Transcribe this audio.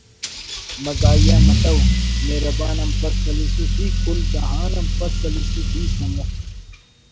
مزاحیہ متو : ”مہربان آن پَد سَلِیسُٹ ای کل جہان آن پَد سَلِیسُٹ ای سنگت